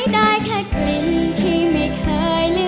แบบนี้เหรอ